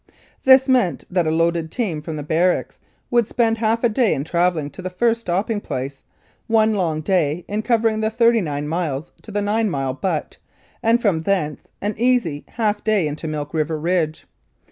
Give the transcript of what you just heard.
This meant that a loaded team from the barracks would spend half a day in travelling to the first stopping place, one long day in covering the thirty nine miles to the Nine mile Butte, and from thence an easy half day into Milk River Ridge.